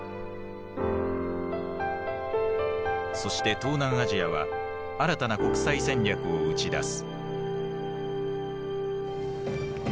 そして東南アジアは新たな国際戦略を打ち出す。